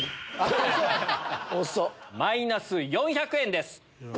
マイナス４００円です。